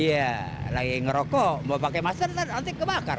iya lagi ngerokok mau pakai masker nanti kebakar